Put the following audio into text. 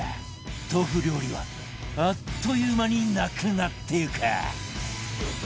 豆腐料理はあっという間になくなっていく